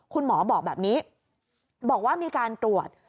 คุณหมอบอกแบบนี้บอกว่ามีการตรวจ